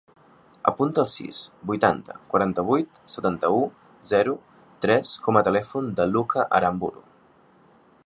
Apunta el sis, vuitanta, quaranta-vuit, setanta-u, zero, tres com a telèfon del Lucca Aramburu.